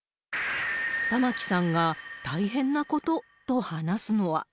玉置さんが大変なことと話すのは。